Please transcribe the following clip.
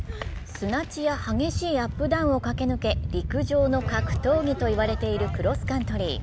砂地や激しいアップダウンを駆け抜け、陸上の格闘技と言われているクロスカントリー。